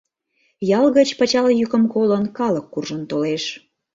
Ял гыч, пычал йӱкым колын, калык куржын толеш.